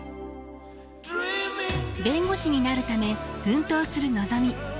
弁護士になるため奮闘するのぞみ。